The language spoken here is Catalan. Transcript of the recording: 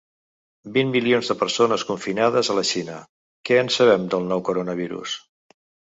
Vint milions de persones confinades a la Xina: què en sabem, del nou coronavirus?